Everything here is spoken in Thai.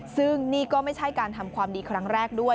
ซึ่งนี่ก็ไม่ใช่การทำความดีครั้งแรกด้วย